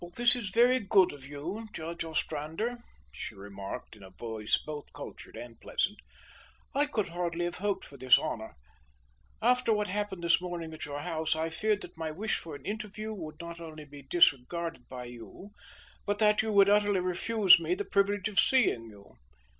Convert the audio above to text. "This is very good of you, Judge Ostrander," she remarked, in a voice both cultured and pleasant. "I could hardly have hoped for this honour. After what happened this morning at your house, I feared that my wish for an interview would not only be disregarded by you, but that you would utterly refuse me the privilege of seeing you.